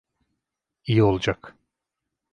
İyi olacak.